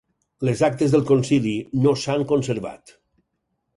Les actes del concili no s'han conservat.